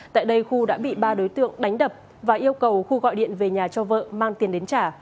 tại đây khu đã bị ba đối tượng đánh đập và yêu cầu khu gọi điện về nhà cho vợ mang tiền đến trả